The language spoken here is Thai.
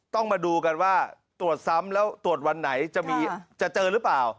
ต้องมาดูกันว่าตรวจซ้ำแล้วตรวจวันไหนจะเจอหรือเปล่า